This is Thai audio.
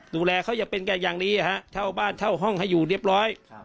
ดูแลเขาอย่าเป็นแกอย่างดีเช่าบ้านเช่าห้องให้อยู่เรียบร้อย